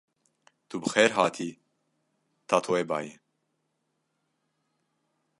Tu bi xêr hatî Tatoebayê!